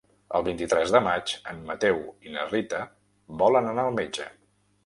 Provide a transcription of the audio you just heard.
El vint-i-tres de maig en Mateu i na Rita volen anar al metge.